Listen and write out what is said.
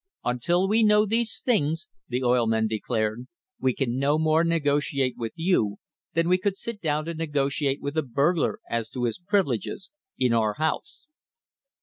Until we know these things, the oil men declared, we can no more negotiate with you than we could sit down to negotiate with a burglar as to his privileges in our house.